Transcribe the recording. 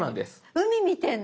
海見てんの私？